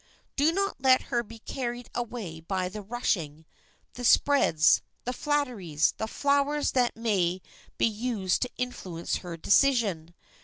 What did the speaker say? Do not let her be carried away by the "rushing," the spreads, the flatteries, the flowers that may be used to influence her decision.